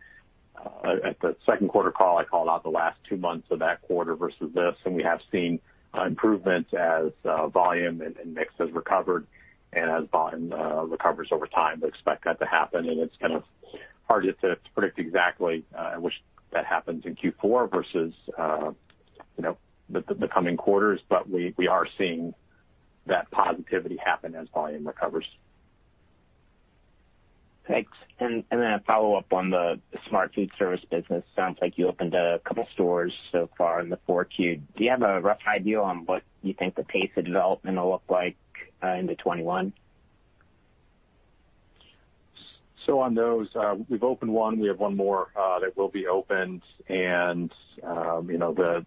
at the second quarter call, I called out the last two months of that quarter versus this. We have seen improvements as volume and mix has recovered and as volume recovers over time. We expect that to happen. It's kind of harder to predict exactly in which that happens in Q4 versus, you know, the coming quarters. We, we are seeing that positivity happen as volume recovers. Thanks. Then a follow up on the Smart Foodservice business. Sounds like you opened a couple stores so far in the 4Q. Do you have a rough idea on what you think the pace of development will look like into 2021? On those, we've opened one. We have one more that will be opened. You know,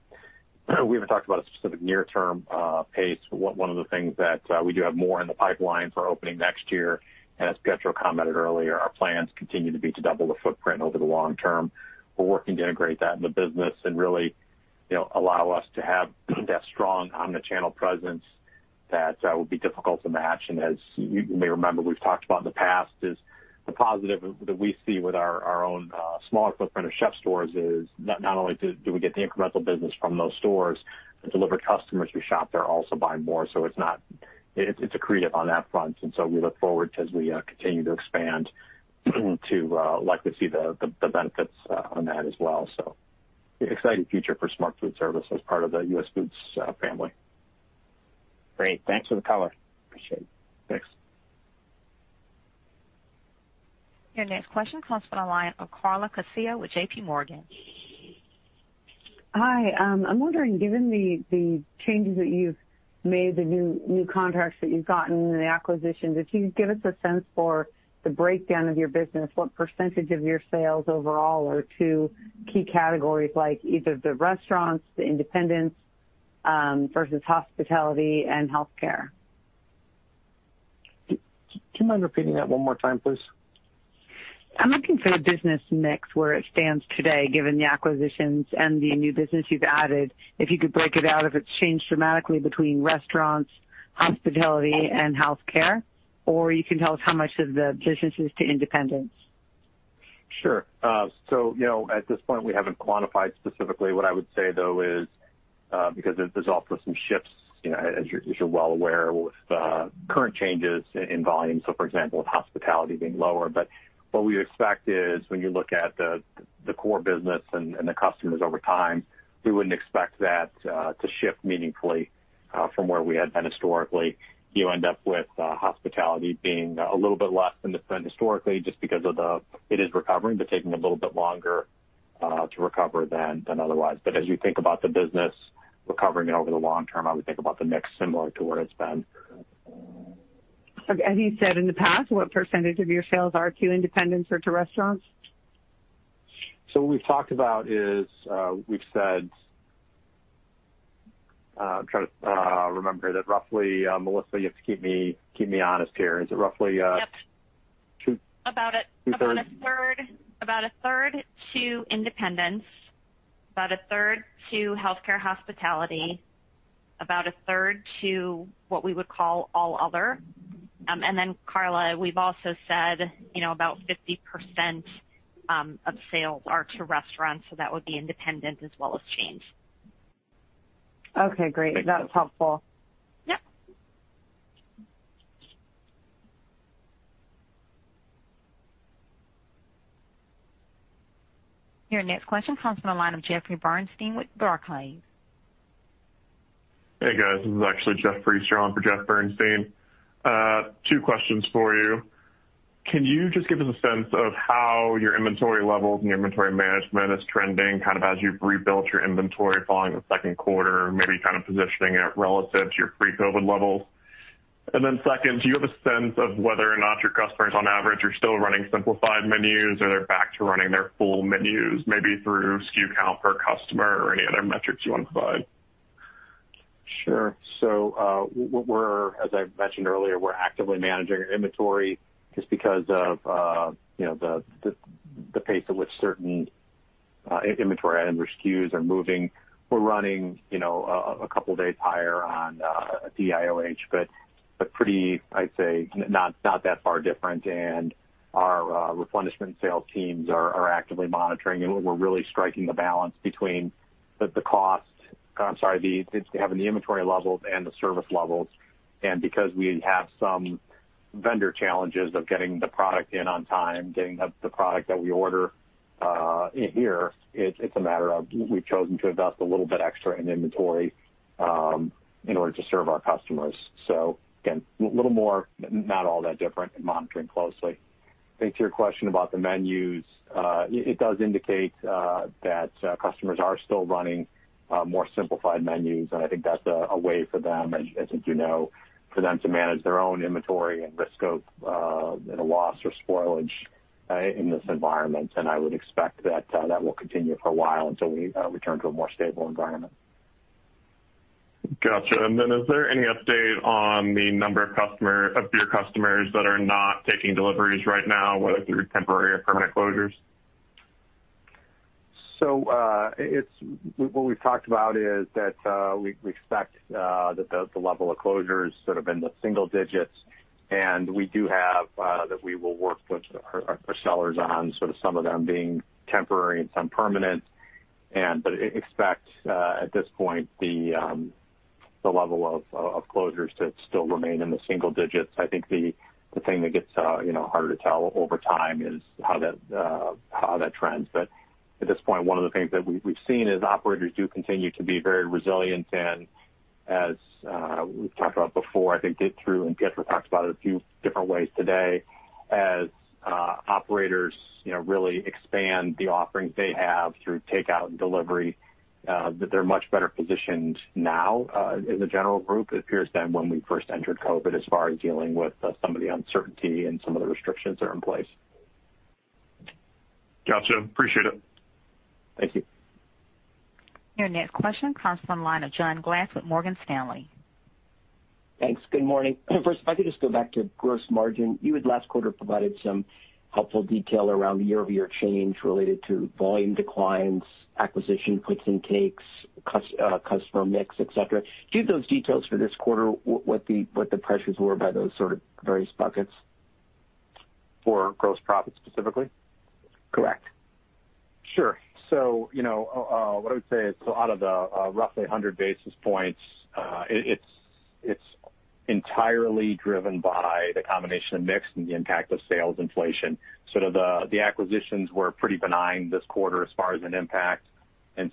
we haven't talked about a specific near term pace. One of the things that we do have more in the pipeline for opening next year. As Pietro commented earlier, our plans continue to be to double the footprint over the long term. We're working to integrate that in the business and really, you know, allow us to have that strong omni-channel presence that would be difficult to match. As you may remember, we've talked about in the past, is the positive that we see with our, our own, smaller footprint of CHEF'STORE is not only do we get the incremental business from those stores, the delivered customers who shop there also buy more. It's not, it's, it's accretive on that front. We look forward as we continue to expand, to like to see the, the, the benefits on that as well. Excited future for Smart Foodservice as part of the US Foods family. Great. Thanks for the color. Appreciate it. Thanks. Your next question comes from the line of Carla Casella with JP Morgan. Hi. I'm wondering, given the, the changes that you've made, the new, new contracts that you've gotten in the acquisition, if you could give us a sense for the breakdown of your business. What percent of your sales overall are to key categories like either the restaurants, the independents, versus hospitality and healthcare? Do you mind repeating that one more time, please? I'm looking for the business mix where it stands today, given the acquisitions and the new business you've added. If you could break it out, if it's changed dramatically between restaurants, hospitality, and healthcare, or you can tell us how much of the business is to independents. Sure. So, you know, at this point, we haven't quantified specifically. What I would say, though, is, because there's also some shifts, you know, as you're, as you're well aware, with current changes in volume, so for example, with hospitality being lower. What we expect is when you look at the core business and the customers over time, we wouldn't expect that to shift meaningfully from where we had been historically. You end up with hospitality being a little bit less than historically just because of the-- it is recovering, but taking a little bit longer to recover than otherwise. As you think about the business recovering over the long term, I would think about the mix similar to where it's been. Have you said in the past what percent of your sales are to independents or to restaurants? What we've talked about is, we've said, I'm trying to remember that roughly, Melissa, you have to keep me, keep me honest here. Is it roughly? Yep. Two- About a, about 1/3, about 1/3 to independents, about 1/3 to healthcare, hospitality, about 1/3 to what we would call all other. Then, Carla, we've also said, you know, about 50% of sales are to restaurants, so that would be independent as well as chains. Okay, great. That's helpful. Yep. Your next question comes from the line of Jeffrey Bernstein with Barclays. Hey, guys. This is actually Jeffrey Strong for Jeffrey Bernstein. Two questions for you. Can you just give us a sense of how your inventory levels and your inventory management is trending, kind of as you've rebuilt your inventory following the second quarter, maybe kind of positioning it relative to your pre-COVID levels? Then second, do you have a sense of whether or not your customers, on average, are still running simplified menus, or they're back to running their full menus, maybe through SKU count per customer or any other metrics you want to provide? Sure. We're, as I mentioned earlier, we're actively managing our inventory just because of, you know, the, the, the pace at which certain inventory items or SKUs are moving. We're running, you know, a couple days higher on DIOH, but pretty, I'd say, not, not that far different. Our replenishment sales teams are, are actively monitoring, and we're really striking the balance between the, the cost, the, it's having the inventory levels and the service levels. Because we have some vendor challenges of getting the product in on time, getting the, the product that we order in here, it's, it's a matter of we've chosen to invest a little bit extra in inventory in order to serve our customers. Again, a little more, not all that different and monitoring closely. I think to your question about the menus, it, it does indicate that customers are still running more simplified menus, and I think that's a way for them, as you know, for them to manage their own inventory and risk of, you know, loss or spoilage, in this environment. I would expect that that will continue for a while until we return to a more stable environment. Gotcha. Then is there any update on the number of customer, of your customers that are not taking deliveries right now, whether through temporary or permanent closures? It's what we've talked about is that we, we expect that the, the level of closures sort of in the single digits, and we do have that we will work with our, our sellers on sort of some of them being temporary and some permanent. Expect at this point, the level of closures to still remain in the single digits. I think the, the thing that gets, you know, harder to tell over time is how that how that trends. At this point, one of the things that we've seen is operators do continue to be very resilient. As we've talked about before, I think get through and get to talk about it a few different ways today. As operators, you know, really expand the offerings they have through takeout and delivery, that they're much better positioned now, as a general group, it appears, than when we first entered COVID, as far as dealing with, some of the uncertainty and some of the restrictions that are in place. Gotcha. Appreciate it. Thank you. Your next question comes from the line of John Glass with Morgan Stanley. Thanks. Good morning. First, if I could just go back to gross margin. You had last quarter provided some helpful detail around the year-over-year change related to volume declines, acquisition, puts and takes, customer mix, etc. Do you have those details for this quarter, what the, what the pressures were by those sort of various buckets? For gross profit specifically? Correct. Sure. So, you know, what I would say is out of the roughly 100 basis points, it, it's, it's entirely driven by the combination of mix and the impact of sales inflation. Sort of the, the acquisitions were pretty benign this quarter as far as an impact,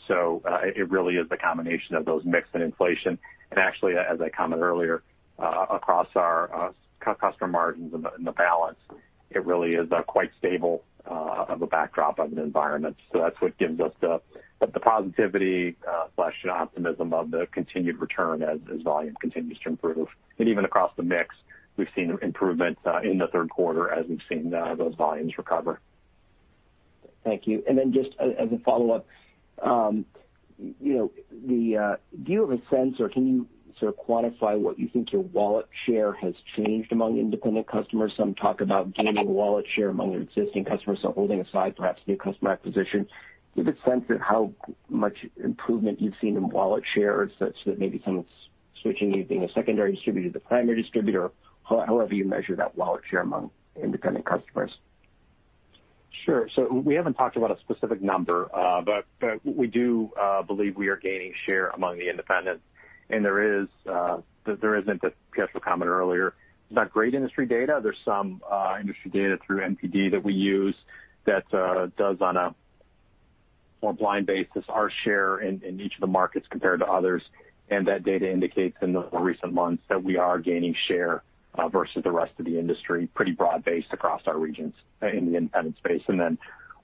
so it really is the combination of those mix and inflation. Actually, as I commented earlier, across our customer margins and the, and the balance, it really is quite stable of a backdrop of an environment. That's what gives us the positivity slash optimism of the continued return as, as volume continues to improve. Even across the mix, we've seen improvement in the third quarter as we've seen those volumes recover. Thank you. Just as, as a follow-up, you know, the, do you have a sense, or can you sort of quantify what you think your wallet share has changed among independent customers? Some talk about gaining wallet share among your existing customers. So holding aside perhaps new customer acquisition, do you have a sense of how much improvement you've seen in wallet share, such that maybe someone's switching you being a secondary distributor to primary distributor, however you measure that wallet share among independent customers? Sure. We haven't talked about a specific number, but, but we do believe we are gaining share among the independents. There is, there isn't, that Pietro commented earlier, there's not great industry data. There's some industry data through NPD that we use that does on a more blind basis, our share in each of the markets compared to others. That data indicates in the more recent months that we are gaining share versus the rest of the industry. Pretty broad-based across our regions in the independent space. Then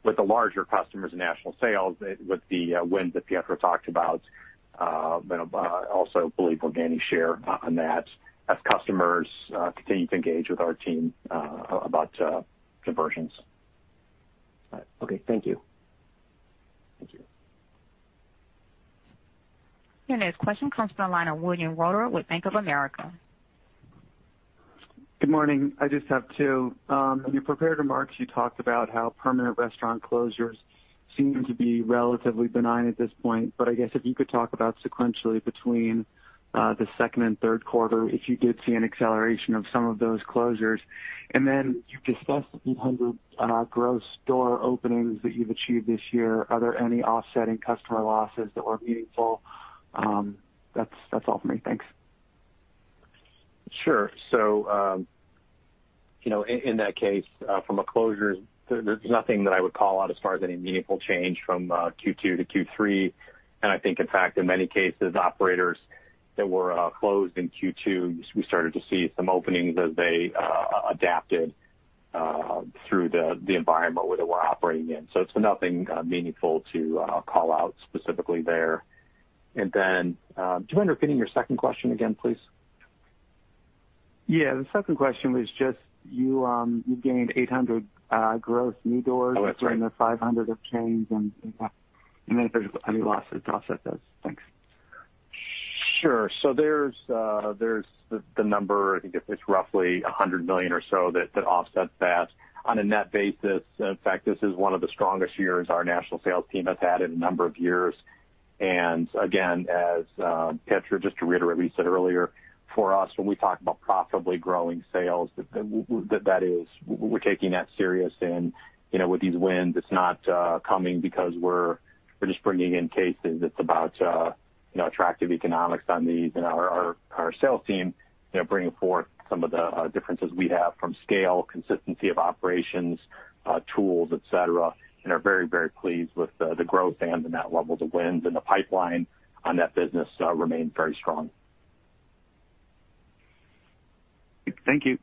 with the larger customers and national sales, with the wins that Pietro talked about, but also believe we're gaining share on that as customers continue to engage with our team about conversions. All right. Okay. Thank you. Thank you. Your next question comes from the line of Cyrille Walter with Bank of America. Good morning. I just have two. In your prepared remarks, you talked about how permanent restaurant closures seem to be relatively benign at this point. I guess if you could talk about sequentially between the second and third quarter, if you did see an acceleration of some of those closures. You discussed the 800 gross store openings that you've achieved this year. Are there any offsetting customer losses that were meaningful? That's all for me. Thanks. Sure. You know, in that case, from a closure, there, there's nothing that I would call out as far as any meaningful change from Q2 to Q3. I think, in fact, in many cases, operators that were closed in Q2, we started to see some openings as they adapted through the environment where they were operating in. It's nothing meaningful to call out specifically there. Then, do you mind repeating your second question again, please? Yeah. The second question was just you, you gained 800 gross new doors. Oh, that's right. Then 500 of chains, and then if there's any losses to offset those. Thanks. Sure. There's, there's the, the number. I think it's roughly $100 million or so that, that offsets that. On a net basis, in fact, this is one of the strongest years our National Sales Team has had in a number of years. Again, as Pietro, just to reiterate what you said earlier, for us, when we talk about profitably growing sales, that, that is, we're taking that serious. You know, with these wins, it's not coming because we're, we're just bringing in cases. It's about, you know, attractive economics on these and our, our, our sales team, you know, bringing forth some of the differences we have from scale, consistency of operations, tools, etc, and are very, very pleased with the, the growth and the net level of wins and the pipeline on that business, remains very strong. Thank you.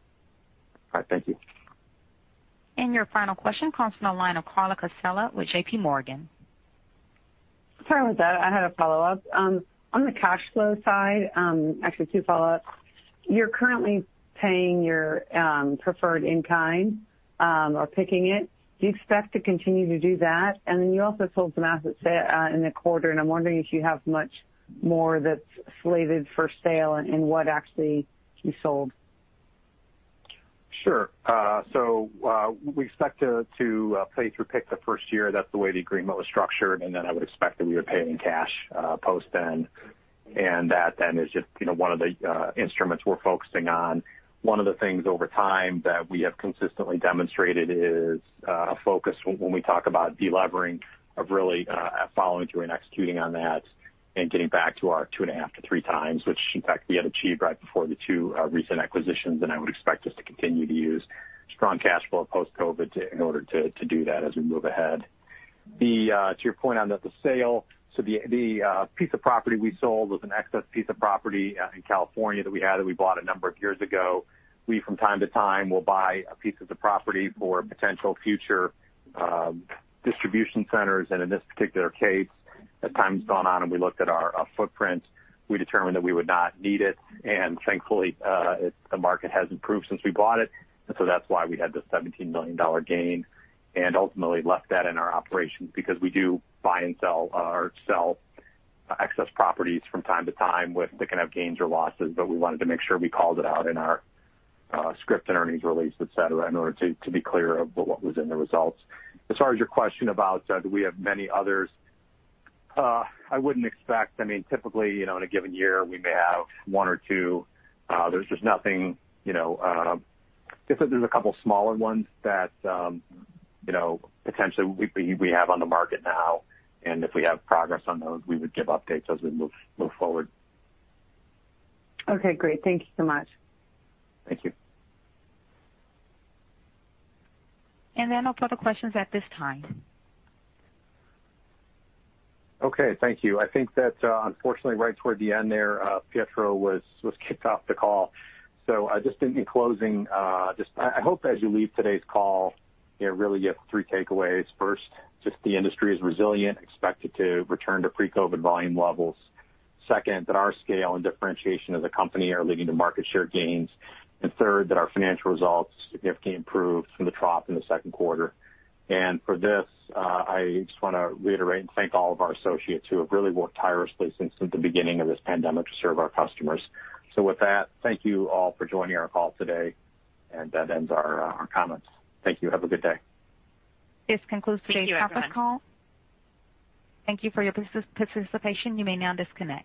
All right. Thank you. Your final question comes from the line of Carla Casella with J.P. Morgan. Sorry about that. I had a follow-up on the cash flow side, actually two follow-ups. You're currently paying your preferred in kind, or picking it. Do you expect to continue to do that? You also sold some assets in the quarter, and I'm wondering if you have much more that's slated for sale and what actually you sold. Sure. So, we expect to, to pay through pick the first year. That's the way the agreement was structured, then I would expect that we would pay in cash, post then. That then is just, you know, one of the instruments we're focusing on. One of the things over time that we have consistently demonstrated is, a focus when we talk about delevering, of really, following through and executing on that and getting back to our 2.5-3 times, which in fact, we had achieved right before the two recent acquisitions. I would expect us to continue to use strong cash flow post-COVID to, in order to, to do that as we move ahead. The to your point on the sale, the the piece of property we sold was an excess piece of property in California that we had, that we bought a number of years ago. We, from time to time, will buy a pieces of property for potential future distribution centers. In this particular case, as time's gone on and we looked at our, our footprint, we determined that we would not need it. Thankfully, it, the market has improved since we bought it, that's why we had the $17 million gain and ultimately left that in our operations, because we do buy and sell or sell excess properties from time to time with... They can have gains or losses. We wanted to make sure we called it out in our script and earnings release, et cetera, in order to be clear of what was in the results. As far as your question about, do we have many others, I wouldn't expect. I mean, typically, you know, in a given year, we may have one or two. There's just nothing, you know, different. There's two smaller ones that, you know, potentially we have on the market now, and if we have progress on those, we would give updates as we move forward. Okay, great. Thank you so much. Thank you. No further questions at this time. Okay, thank you. I think that, unfortunately, right toward the end there, Pietro was, was kicked off the call. Just in, in closing, just I, I hope as you leave today's call, you really get three takeaways. First, just the industry is resilient, expected to return to pre-COVID volume levels. Second, that our scale and differentiation of the company are leading to market share gains. Third, that our financial results significantly improved from the trough in the second quarter. For this, I just wanna reiterate and thank all of our associates who have really worked tirelessly since the beginning of this pandemic to serve our customers. With that, thank you all for joining our call today, and that ends our, our comments. Thank you. Have a good day. This concludes today's conference call. Thank you for your participation. You may now disconnect.